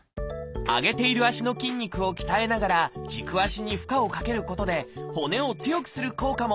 上げている足の筋肉を鍛えながら軸足に負荷をかけることで骨を強くする効果も。